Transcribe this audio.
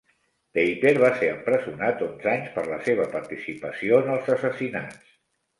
Peiper va ser empresonat onze anys per la seva participació en els assassinats.